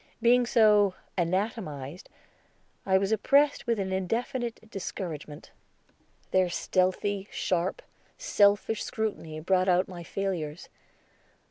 Being so anatomized, I was oppressed with an indefinite discouragement. Their stealthy, sharp, selfish scrutiny brought out my failures.